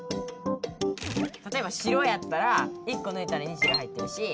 たとえば白やったら１こぬいたら「日」が入ってるし。